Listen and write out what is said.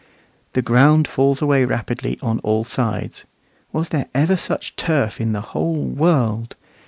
The ground falls away rapidly on all sides. Was there ever such turf in the whole world?